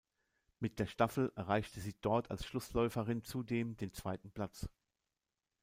Mit der Staffel erreichte sie dort als Schlussläuferin zudem den zweiten Platz.